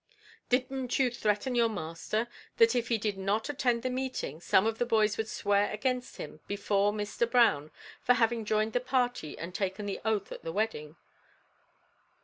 "Didn't you threaten your master, that if he did not attend the meeting, some of the boys would swear against him, before Mr. Brown, for having joined the party and taken the oath at the wedding?"